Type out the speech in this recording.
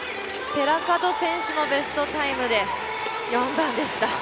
寺門選手もベストタイムで４番でした。